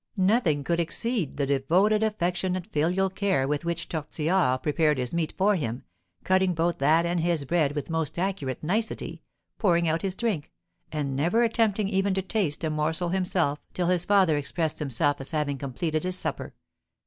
Nothing could exceed the devoted affection and filial care with which Tortillard prepared his meat for him, cutting both that and his bread with most accurate nicety, pouring out his drink, and never attempting even to taste a morsel himself, till his father expressed himself as having completed his supper.